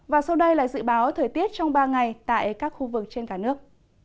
và sau đây là dự báo thời tiết trong ba ngày tại các khu vực trên cả nước